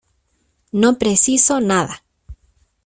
no preciso nada.